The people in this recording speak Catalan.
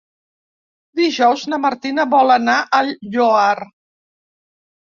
Dijous na Martina vol anar al Lloar.